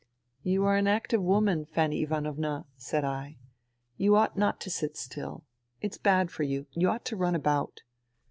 ..."" You are an active woman, Fanny Ivanovna, "^ said I. " You ought not to sit still. It's bad for you. You ought to run about."